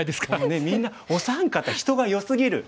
ねえみんなお三方人がよすぎる！